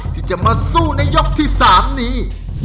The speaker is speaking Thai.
ที่จะมาสู้ในยกที่๓นี้